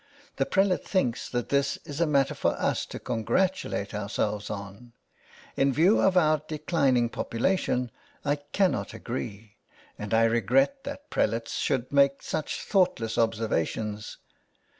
The prelate thinks that this is a matter for us to congratulate ourselves on. In view of our declining population I cannot agree, and I regret that prelates should make such thoughtless observations.